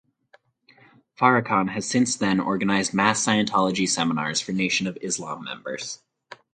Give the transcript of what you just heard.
Farrakhan has since then organized mass Scientology seminars for Nation of Islam members.